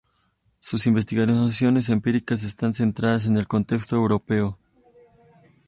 Sus investigaciones empíricas están centradas en el contexto europeo.